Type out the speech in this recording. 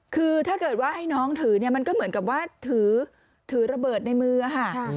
คือถ้าเกิดว่าให้น้องถือเนี่ยมันก็เหมือนกับว่าถือระเบิดในมือค่ะ